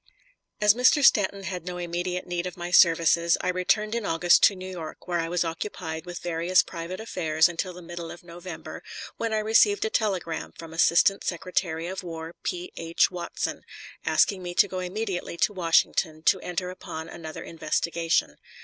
As Mr. Stanton had no immediate need of my services, I returned in August to New York, where I was occupied with various private affairs until the middle of November, when I received a telegram from Assistant Secretary of War P. H. Watson, asking me to go immediately to Washington to enter upon another investigation.